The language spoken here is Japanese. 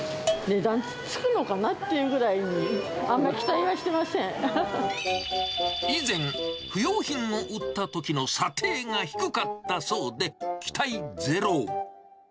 値段つくのかなっていうぐらいに、以前、不用品を売ったときの査定が低かったそうで、期待ゼロ。